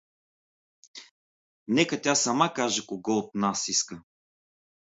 Нека тя сама каже кого от нас иска.